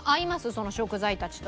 その食材たちと。